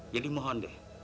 jadi mohon deh